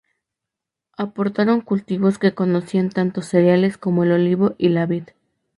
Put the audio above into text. Aportaron cultivos que conocían tanto cereales como el olivo y la vid.